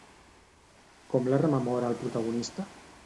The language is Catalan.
Com la rememora el protagonista?